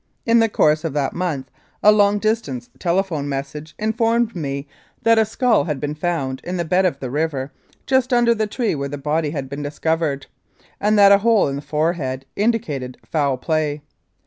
In the course of that month a long distance telephone message informed 234 The Tucker Peach Murder me that a skull had been found in the bed of the river, just under the tree where the body had been discovered, and that a hole in the forehead indicated foul play.